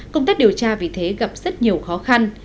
công tác điều tra vì thế gặp rất nhiều khó khăn